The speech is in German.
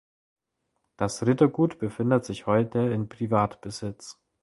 Das Rittergut befindet sich heute in Privatbesitz.